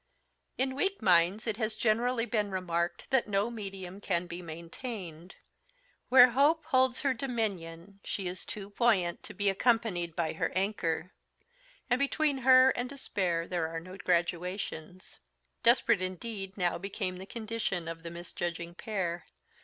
In weak minds it has generally been remarked that no medium can be maintained. Where hope holds her dominion she is too buoyant to be accompanied by her anchor; and between her and despair there are no gradations. Desperate indeed now became the condition of the misjudging pair.